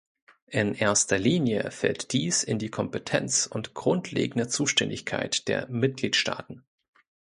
In erster Linie fällt dies in die Kompetenz und grundlegende Zuständigkeit der Mitgliedstaaten.